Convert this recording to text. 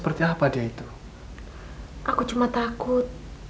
kenapa kau merasa usted meredith